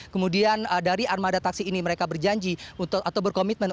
kemudian dari armada taksi ini mereka berjanji atau berkomitmen